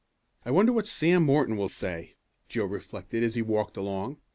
"I wonder what Sam Morton will say?" Joe reflected as he walked along.